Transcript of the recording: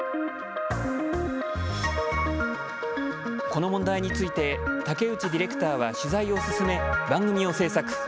この問題について竹内ディレクターは取材を進め番組を制作。